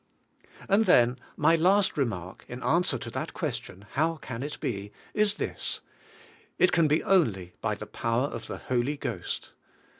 And then, my last remark, in answer to that question, " How can it be?" is this: it can be only by the power of the Holy Ghost.